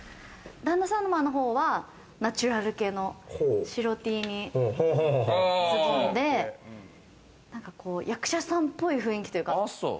旦那様の方はナチュラル系の白Ｔに、ズボンで、何かこう役者さんっぽい雰囲気というか。